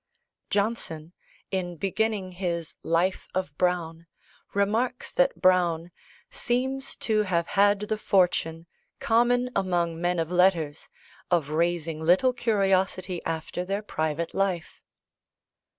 Johnson, in beginning his Life of Browne, remarks that Browne "seems to have had the fortune, common among men of letters, of raising little curiosity after their private life."